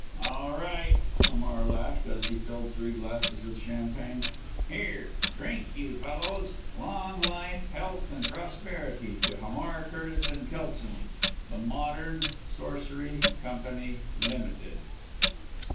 "All right!" Hamar laughed, as he filled three glasses with champagne. "Here, drink, you fellows, 'Long life, health and prosperity to Hamar, Curtis and Kelson, the Modern Sorcery Company Ltd.'"